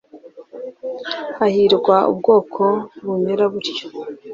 Hahirwa ubwoko bumera butyo